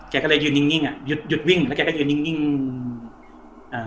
แกก็เลยยืนนิ่งนิ่งอ่ะหยุดหยุดวิ่งแล้วแกก็ยืนนิ่งนิ่งอ่า